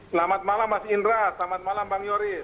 selamat malam mas indra selamat malam bang yoris